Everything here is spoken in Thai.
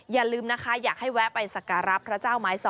อย่าลืมนะคะอยากให้แวะไปสักการะพระเจ้าไม้๒